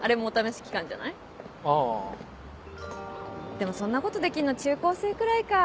でもそんなことできるのは中高生くらいか。